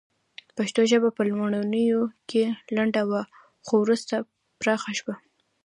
پښتو ژبه په لومړیو کې لنډه وه خو وروسته پراخه شوه